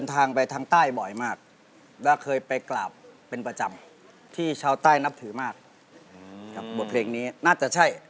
ยังไม่เสียบนะฮะไม่เสียบ